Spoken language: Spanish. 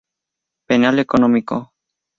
Penal económico.